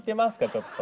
ちょっと。